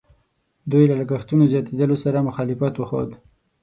دوی له لګښتونو زیاتېدلو سره مخالفت وښود.